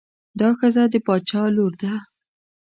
دا ښځه د باچا لور ده.